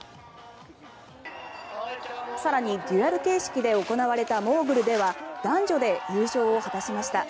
更に、デュアル形式で行われたモーグルでは男女で優勝を果たしました。